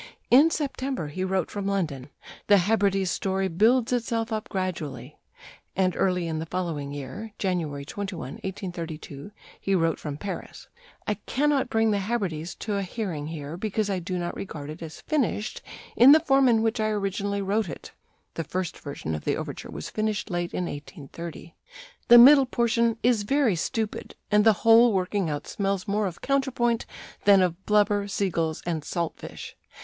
In September he wrote from London: "'The Hebrides' story builds itself up gradually"; and early in the following year (January 21, 1832) he wrote from Paris: "I cannot bring 'The Hebrides' to a hearing here because I do not regard it as finished in the form in which I originally wrote it [the first version of the overture was finished late in 1830]. The middle portion ... is very stupid, and the whole working out smells more of counterpoint than of blubber, sea gulls, and salt fish."